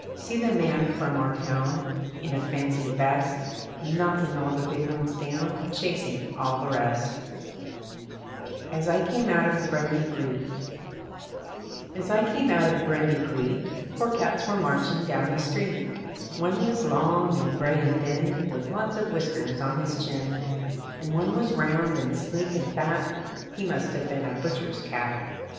See the man from our town. In a fancy vest, Knocking all the big ones down, Chasing all the rest. AS I CAME OUT OF GRUNDY GREET As I came out of Grundy Greet Four cats were marching down the street One was long and gray and thin With lots of whiskers on his chin, And one was round and sleek and fat (He must have been a butcher's cat).